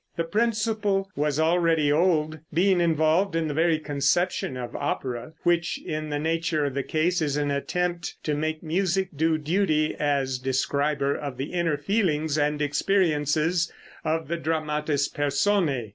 The principle was already old, being involved in the very conception of opera, which in the nature of the case is an attempt to make music do duty as describer of the inner feelings and experiences of the dramatis personæ.